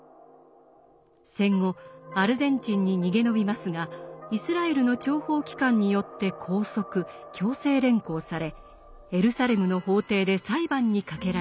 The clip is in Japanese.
戦後アルゼンチンに逃げ延びますがイスラエルの諜報機関によって拘束・強制連行されエルサレムの法廷で裁判にかけられます。